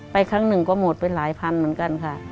ครั้งหนึ่งก็หมดไปหลายพันเหมือนกันค่ะ